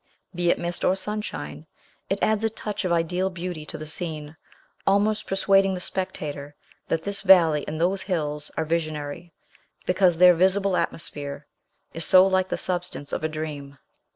Be it mist or sunshine, it adds a touch of ideal beauty to the scene, almost persuading the spectator that this valley and those hills are visionary, because their visible atmosphere is so like the substance of a dream.